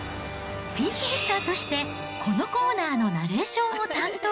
ピンチヒッターとして、このコーナーのナレーションを担当。